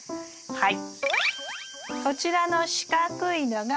はい。